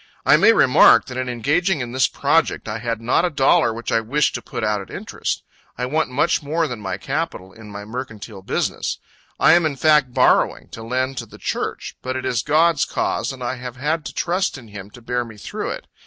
I may remark, that in engaging in this project, I had not a dollar which I wished to put out at interest. I want much more than my capital in my mercantile business. I am in fact borrowing, to lend to the Church. But it is God's cause, and I have had to trust in Him to bear me through it.